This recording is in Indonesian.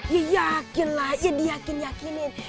ya yakin lah ya di yakin yakinin